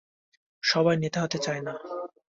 সবাই নেতা হতে চায় না।